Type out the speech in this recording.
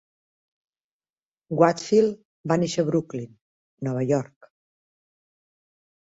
Whitfield va néixer a Brooklyn, Nova York.